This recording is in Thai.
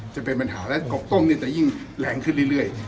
จะเป็นปัญหาและกบต้มจะยิ่งแรงขึ้นเรื่อย